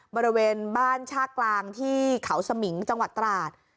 บริเวณบ้านชากลางที่เขาสมิงจังหวัดตราด